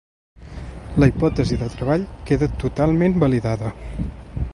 La hipòtesi de treball queda totalment validada?